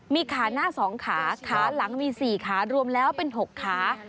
มีขาหน้า๒ขาขาหลังมี๔ขารวมแล้วเป็น๖ขา